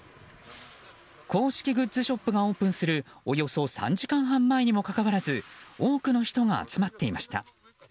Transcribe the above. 公式グッズショップがオープンするおよそ３時間半前にもかかわらず多くの人が集まっていました。